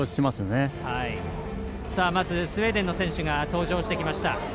まずスウェーデンの選手が登場してきました。